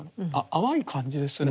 淡い感じですね。